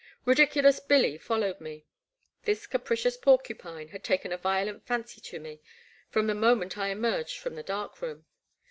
Ridiculous Billy followed me. This capricious porcupine had taken a violent fancy to me, from the moment I emerged from the dark room.